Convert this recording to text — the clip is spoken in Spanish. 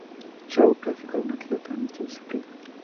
Chad clasificó a un atleta en esta disciplina.